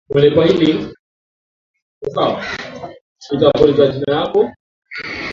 kutembea na hivyo kupunguza ulaji wa chakula